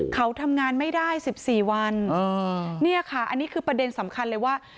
เขาทำงานไม่ได้๑๔วันเนี่ยค่ะอันนี้คือประเด็นสำคัญเลยว่า